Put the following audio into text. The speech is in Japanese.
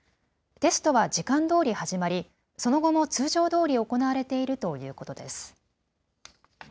テストは時間どおり始まりその後も通常どおり行われているということです。